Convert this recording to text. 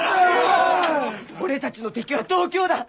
俺たちの敵は東京だ！